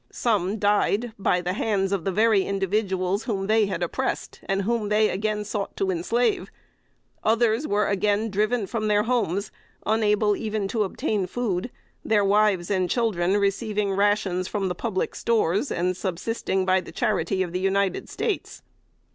Some died by the hands of the very individuals whom they had oppressed, and whom they again sought to enslave; others were again driven from their homes, unable even to obtain food; their wives and children receiving rations from the public stores, and subsisting by the charity of the United States.